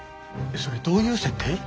それどういう設定？